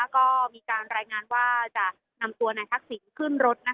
ก็มีการรายงานว่าจะนำตัวนายทักษิณขึ้นรถ